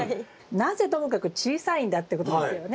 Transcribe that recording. なぜともかく小さいんだってことですよね。